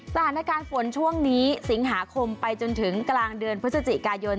สถานการณ์ฝนช่วงนี้สิงหาคมไปจนถึงกลางเดือนพฤศจิกายน